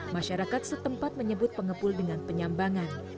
masyarakat setempat menyebut pengepul dengan penyambangan